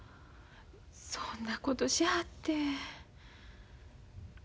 そんなことしはって。